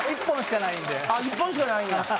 １本しかないんや？